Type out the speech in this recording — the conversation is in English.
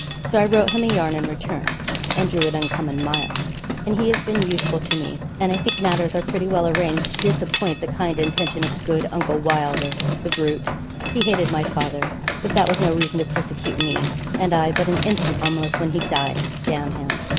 So I wrote him a yarn in return, and drew it uncommon mild. And he has been useful to me; and I think matters are pretty well arranged to disappoint the kind intention of good Uncle Wylder the brute; he hated my father, but that was no reason to persecute me, and I but an infant, almost, when he died, d him.